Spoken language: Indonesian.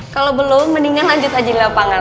kalau belum mendingan lanjut haji di lapangan